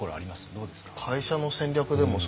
どうですか？